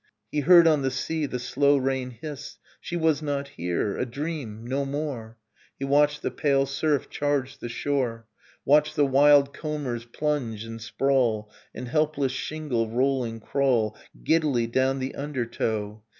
He heard on the sea the slow rain hiss. She was not here ... A dream, no more ... He watched the pale surf charge the shore, Watched the wild combers plunge and sprawl And helpless shingle rolling crawl Giddily down the undertow